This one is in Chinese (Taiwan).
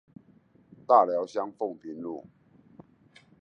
大寮鄉鳳屏路